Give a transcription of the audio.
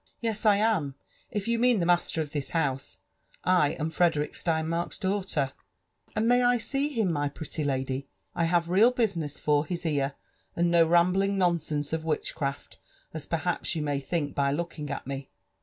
"*' Yes, I am — if you mean the master of this house^ — I am Frederick Steinmark's daughter/' >'* And may I see him, my pretty lady? I have real business for his ear, and no rambling nonsense of witchcraft, as perhaps you may think by looking at me.''